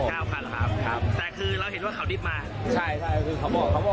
ถามคนก็บอกว่าเบรกค้างน่าจะเป็นพนักงานนะครับ